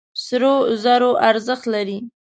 سرو زرو ارزښت لري.